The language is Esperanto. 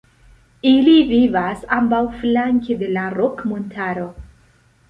Ili vivas ambaŭflanke de la Rok-Montaro.